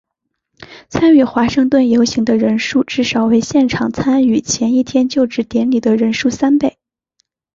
参与华盛顿游行的人数至少为现场参与前一天就职典礼的人数三倍。